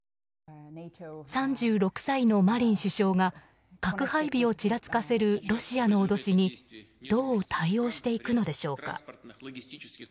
３６歳のマリン首相が核配備をちらつかせるロシアの脅しにどう対応していくのでしょうか。